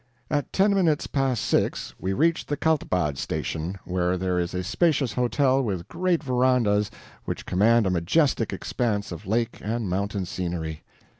At ten minutes past six we reached the Kaltbad station, where there is a spacious hotel with great verandas which command a majestic expanse of lake and mountain scenery.